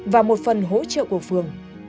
và một phần hỗ trợ của phường